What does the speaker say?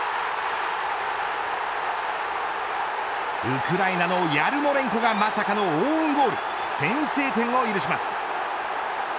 ウクライナのヤルモレンコがまさかのオウンゴール先制点を許します。